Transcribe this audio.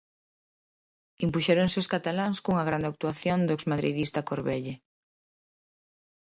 Impuxéronse os cataláns cunha grande actuación do exmadridista Corbelle.